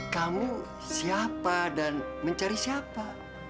kamu siapa dan mencari siapa